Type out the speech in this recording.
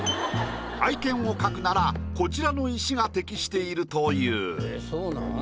愛犬を描くならこちらの石が適しているという。